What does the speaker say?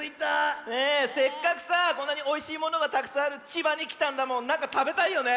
せっかくさこんなにおいしいものがたくさんある千葉にきたんだもんなんかたべたいよね。